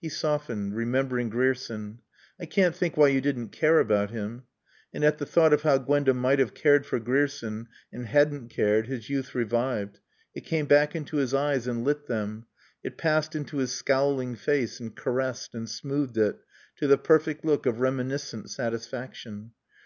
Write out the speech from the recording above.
He softened, remembering Grierson. "I can't think why you didn't care about him." And at the thought of how Gwenda might have cared for Grierson and hadn't cared his youth revived; it came back into his eyes and lit them; it passed into his scowling face and caressed and smoothed it to the perfect look of reminiscent satisfaction.